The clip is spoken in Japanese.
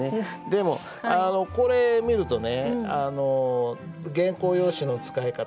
でもあのこれ見るとねあの原稿用紙の使い方